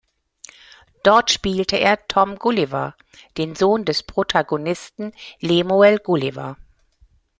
Dort spielte er Tom Gulliver, den Sohn des Protagonisten Lemuel Gulliver.